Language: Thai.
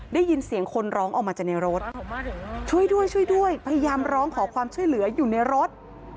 ได้ยินเสียงคนร้องออกมาจากในรถช่วยด้วยช่วยด้วยพยายามร้องขอความช่วยเหลืออยู่ในรถ